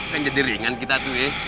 kan jadi ringan kita tuh ya